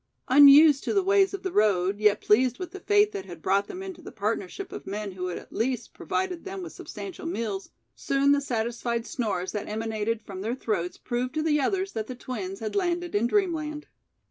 Unused to the ways of the road, yet pleased with the fate that had brought them into the partnership of men who at least provided them with substantial meals, soon the satisfied snores that emanated from their throats proved to the others that the twins had landed in dreamland.